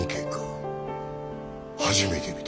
初めて見た。